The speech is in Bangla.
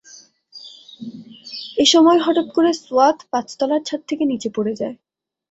এ সময় হঠাৎ করে সোয়াত পাঁচতলার ছাদ থেকে নিচে পড়ে যায়।